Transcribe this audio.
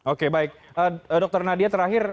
oke baik dokter nadia terakhir